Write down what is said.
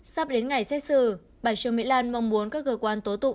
sắp đến ngày xét xử bà trương mỹ lan mong muốn các cơ quan tổ chức tổ chức